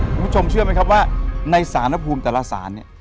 คุณผู้ชมเชื่อไหมครับว่าในสารภูมิแต่ละศาลเนี่ย